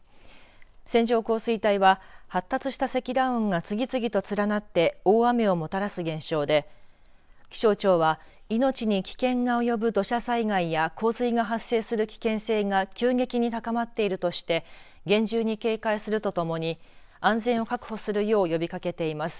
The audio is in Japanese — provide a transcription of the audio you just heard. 線状降水帯は、発達した積乱雲が次々と連なって大雨をもたらす現象で気象庁は命に危険が及ぶ土砂災害や洪水が発生する危険性が急激に高まっているとして厳重に警戒するとともに安全を確保するよう呼びかけています。